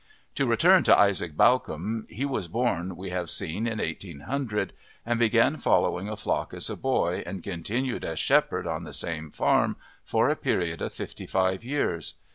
To return to Isaac Bawcombe. He was born, we have seen, in 1800, and began following a flock as a boy and continued as shepherd on the same farm for a period of fifty five years.